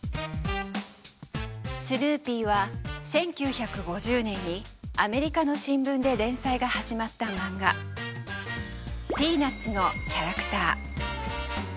スヌーピーは１９５０年にアメリカの新聞で連載が始まったマンガ「ピーナッツ」のキャラクター。